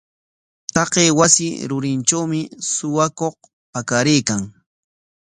Taqay wasi rurintrawmi suwakuq pakaraykan.